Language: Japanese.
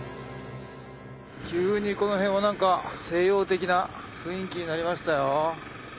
急にこの辺は何か西洋的な雰囲気になりましたよ。